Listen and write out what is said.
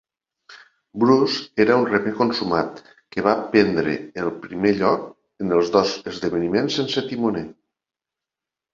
Bruce era un remer consumat que va prendre el primer lloc en els dos esdeveniments sense timoner.